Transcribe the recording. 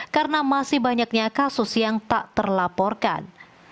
karena masih banyaknya kasus yang tak terlaporkan